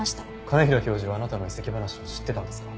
兼平教授はあなたの移籍話を知ってたんですか？